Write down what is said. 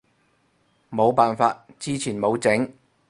冇辦法，之前冇整